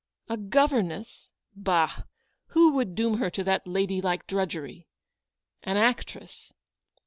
A governess ? Bah ! who would doom her to that lady like drudgery ? An actress?